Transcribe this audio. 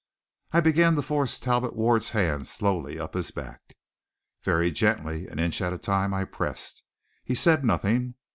I began to force Talbot Ward's hand slowly up his back. Very gently, an inch at a time, I pressed. He said nothing.